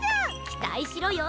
きたいしろよ！